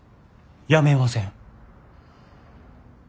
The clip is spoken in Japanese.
辞めません。